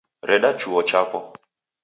Reda chuo chapo.